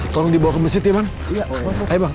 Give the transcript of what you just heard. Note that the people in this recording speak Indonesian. tolong dibawa ke masjid ya bang